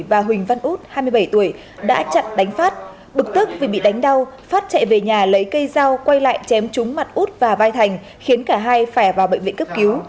và huỳnh văn út hai mươi bảy tuổi đã chặn đánh phát bực tức vì bị đánh đau phát chạy về nhà lấy cây dao quay lại chém trúng mặt út và vai thành khiến cả hai phải vào bệnh viện cấp cứu